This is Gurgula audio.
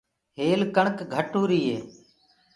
هيل ڪڻڪ گھٽ هوُري هي۔